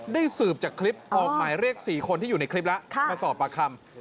ได้สืบจากคลิปออกมาเรียกสี่คนที่อยู่ในคลิปล่ะค่ะมาสอบปากคำ